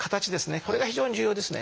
これが非常に重要ですね。